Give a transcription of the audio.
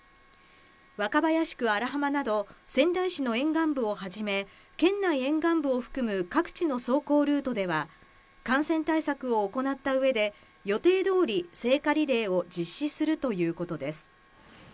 若林区荒浜など仙台市の沿岸部をはじめ、県内沿岸部を含む各地の走行ルートでは、感染対策を行った上で予定通り聖火リレーを実施するということです。